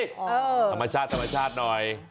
ธรรมชาติธรรมชาติหน่อย